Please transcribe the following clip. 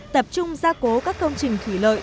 tập trung gia cố các công trình khỉ lợi